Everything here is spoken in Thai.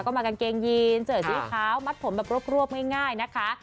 ก็มากางเกงยีนเจอสีขาวมัดผมแบบรวบง่ายนะคะ